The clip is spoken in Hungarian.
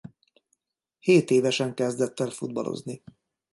Hétévesen kezdett el futballozni.